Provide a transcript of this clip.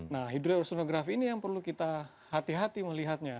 nah hidrossonografi ini yang perlu kita hati hati melihatnya